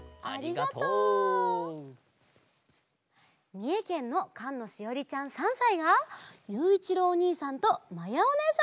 みえけんのかんのしおりちゃん３さいがゆういちろうおにいさんとまやおねえさんをかいてくれました！